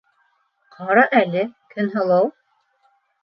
Ҡара әле, Көнһылыу!